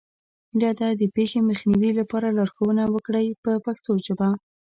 هیله ده د پېښې مخنیوي لپاره لارښوونه وکړئ په پښتو ژبه.